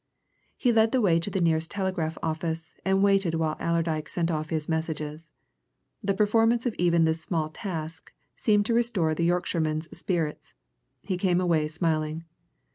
He led the way to the nearest telegraph office and waited while Allerdyke sent off his messages. The performance of even this small task seemed to restore the Yorkshireman's spirits he came away smiling.